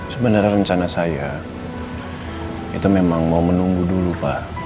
sebenarnya rencana saya itu memang mau menunggu dulu pak